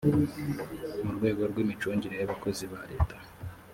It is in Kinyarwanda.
mu rwego rw imicungire y abakozi ba leta